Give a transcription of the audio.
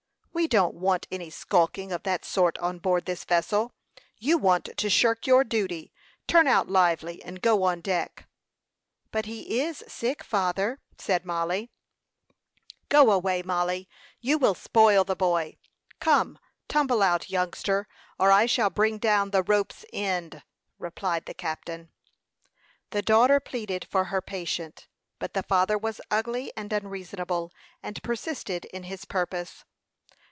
We don't want any skulking of that sort on board this vessel. You want to shirk your duty. Turn out lively, and go on deck." "But he is sick, father," said Mollie. "Go away, Mollie. You will spoil the boy. Come, tumble out, youngster, or I shall bring down the rope's end," replied the captain. The daughter pleaded for her patient; but the father was ugly and unreasonable, and persisted in his purpose.